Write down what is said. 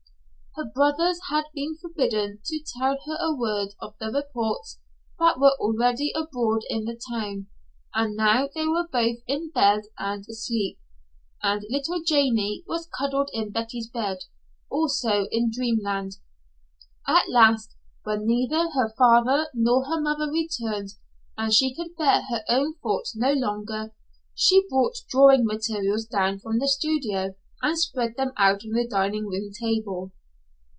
Her brothers had been forbidden to tell her a word of the reports that were already abroad in the town, and now they were both in bed and asleep, and little Janey was cuddled in Betty's bed, also in dreamland. At last, when neither her father nor her mother returned and she could bear her own thoughts no longer, she brought drawing materials down from the studio and spread them out on the dining room table.